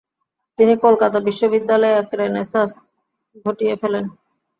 তিনি কলকাতা বিশ্ববিদ্যালয়ে এক রেনেসাঁস ঘটিয়ে ফেলেন।